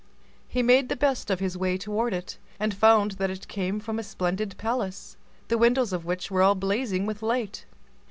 He made the best of his way toward it, and found that it came from a splendid palace, the windows of which were all blazing with light.